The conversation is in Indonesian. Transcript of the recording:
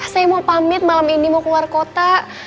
saya mau pamit malam ini mau keluar kota